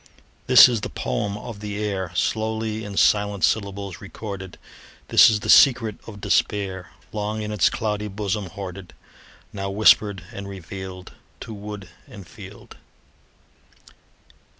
This is the poem of the air, Slowly in silent syllables recorded; This is the secret of despair, Long in its cloudy bosom hoarded, Now whispered and revealed To wood and field.